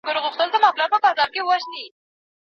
او سارنګ څه وايي